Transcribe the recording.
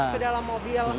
ke dalam mobil